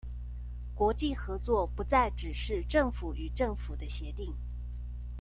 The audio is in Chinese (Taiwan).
國際合作不再只是政府與政府的協定